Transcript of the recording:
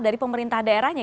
dari pemerintah daerahnya